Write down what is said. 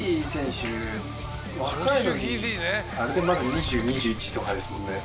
あれでまだ２０２１とかですもんね。